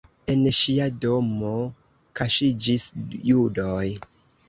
En ŝia domo kaŝiĝis judoj.